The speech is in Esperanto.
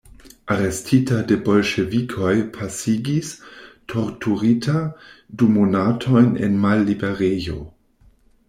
Arestita de bolŝevikoj pasigis, torturita, du monatojn en malliberejo.